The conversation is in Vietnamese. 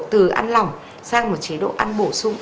từ ăn lỏng sang một chế độ ăn bổ sung